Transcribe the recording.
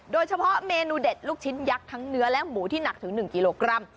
โดยเฉพาะเมนูเด็ดลูกชิ้นยักษ์ทั้งเนื้อและหมูที่หนักถึง๑กิโลกรัม